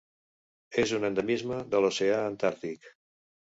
És un endemisme de l'Oceà Antàrtic.